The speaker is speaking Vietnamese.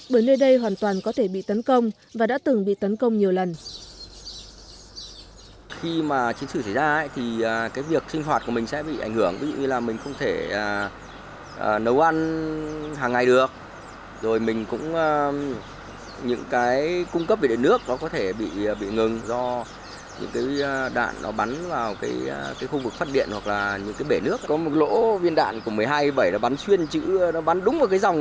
bởi nơi đây hoàn toàn có thể bị tấn công và đã từng bị tấn công nhiều lần